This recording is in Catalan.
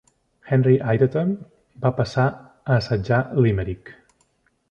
Henry Ireton, va passar a assetjar Limerick.